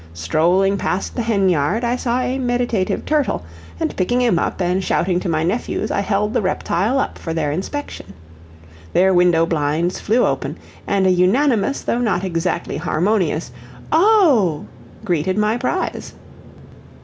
Strolling past the henyard I saw a meditative turtle, and picking him up and shouting to my nephews I held the reptile up for their inspection. Their window blinds flew open, and a unanimous though not exactly harmonious "Oh!" greeted my prize.